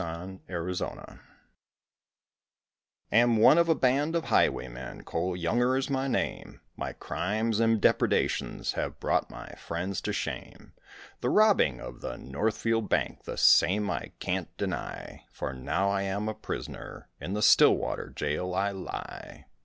COLE YOUNGER Am one of a band of highwaymen, Cole Younger is my name; My crimes and depredations have brought my friends to shame; The robbing of the Northfield Bank, the same I can't deny, For now I am a prisoner, in the Stillwater jail I lie.